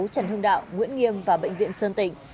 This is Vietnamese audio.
trần hưng đạo nguyễn nghiêm và bệnh viện sơn tỉnh